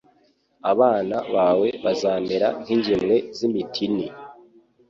abana bawe bazamera nk’ingemwe z’imitini